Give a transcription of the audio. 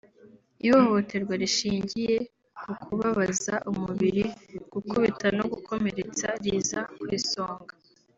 Ihohoterwa rishingiye ku kubabaza umubiri (gukubita no gukomeretsa) riza ku isonga